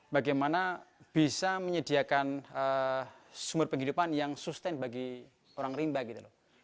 bagaimana bisa menyediakan sumber penghidupan yang sustain bagi orang rimba gitu loh